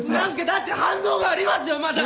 だって反応がありますよまだ！